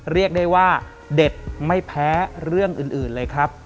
เรียกได้ว่าเด็ดไม่แพ้เรื่องอื่นเลยครับ